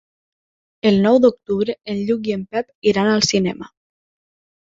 El nou d'octubre en Lluc i en Pep iran al cinema.